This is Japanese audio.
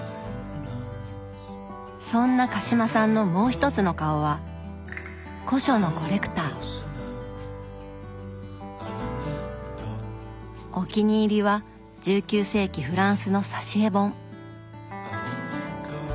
そんな鹿島さんのもう一つの顔はお気に入りは１９世紀フランスの挿絵本。